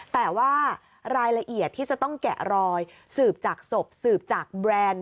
แต่ว่ารายละเอียดที่จะต้องแกะรอยสืบจากศพสืบจากแบรนด์